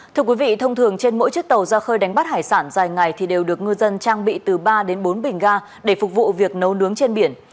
thưa quý vị thông thường trên mỗi chiếc tàu ra khơi đánh bắt hải sản dài ngày thì đều được ngư dân trang bị từ ba đến bốn bình ga để phục vụ việc nấu nướng trên biển